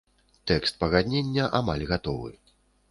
Тэкст пагаднення амаль гатовы.